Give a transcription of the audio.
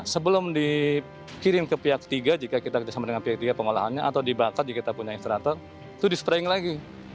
sebelum dikirim ke pihak ketiga jika kita bersama dengan pihak ketiga pengolahannya atau dibangkut jika kita punya instructor itu dispraying lagi